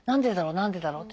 何でだろう？